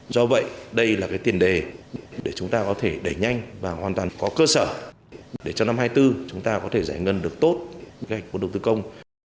do vậy đây là cái tiền đề để chúng ta có thể đẩy nhanh và hoàn toàn có cơ sở để cho năm hai nghìn hai mươi bốn chúng ta có thể giải ngân được tốt kế hoạch vốn đầu tư công